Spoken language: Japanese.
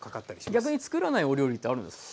逆につくらないお料理ってあるんですか？